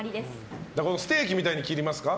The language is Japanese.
ステーキみたいに切りますか？